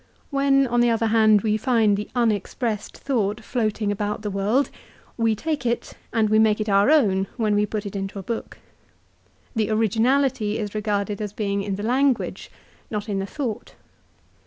When, on the other hand, we find the un expressed thought floating about the world, we take it, and we make it our own when we put it into a book. The originality is regarded as being in the language, not in the thought.